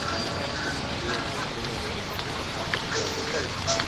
کلتوري ارزښتونه د علم ساتنې ته اړتیا لري.